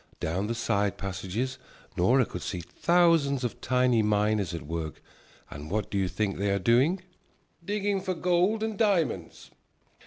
Down the side passages Nora could see thousands of tiny miners at work. And what do you think they are doing? "Digging for gold and diamonds."